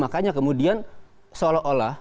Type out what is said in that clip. makanya kemudian seolah olah